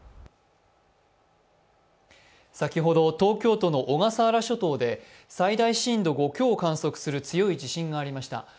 先ほど、東京都の小笠原諸島で最大震度５強を観測する強い地震がありました。